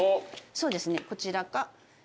そうですねこちらか。